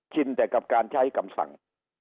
แต่กับการใช้คำสั่ง